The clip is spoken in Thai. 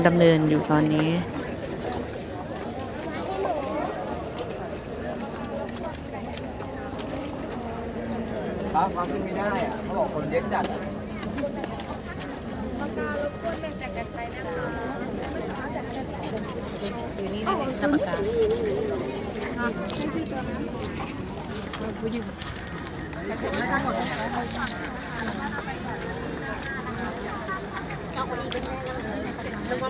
มันเป็นสิ่งที่จะให้ทุกคนรู้สึกว่ามันเป็นสิ่งที่จะให้ทุกคนรู้สึกว่า